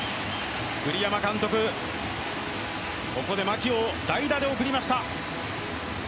栗山監督、ここで牧を代打で送りました。